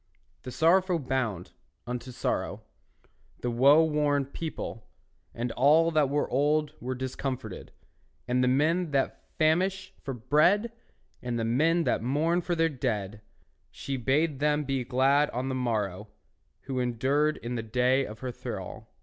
The sorrowful, bound unto sorrow, The woe worn people, and all That of old were discomforted, And men that famish for bread, And men that mourn for their dead, She bade them be glad on the morrow, Who endured in the day of her thrall.